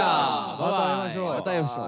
また会いましょう。